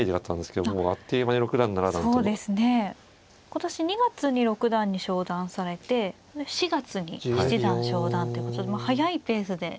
今年２月に六段に昇段されて４月に七段昇段ということで速いペースで。